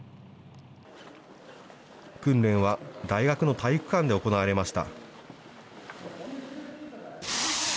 訓練は大学の体育館で行われました。